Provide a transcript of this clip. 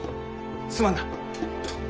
すまんな。